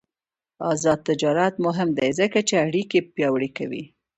آزاد تجارت مهم دی ځکه چې اړیکې پیاوړې کوي.